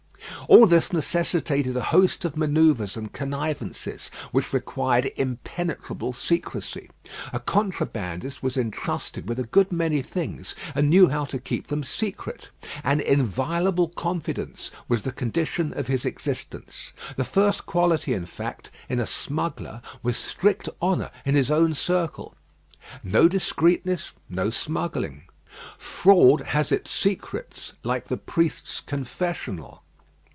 All this necessitated a host of manoeuvres and connivances, which required impenetrable secrecy. A contrabandist was entrusted with a good many things, and knew how to keep them secret. An inviolable confidence was the condition of his existence. The first quality, in fact, in a smuggler was strict honour in his own circle. No discreetness, no smuggling. Fraud has its secrets like the priest's confessional.